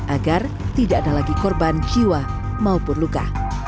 agar tidak ada lagi korban jiwa maupun luka